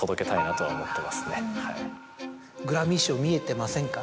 グラミー賞見えてませんか？